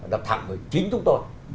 đập thẳng vào chính chúng tôi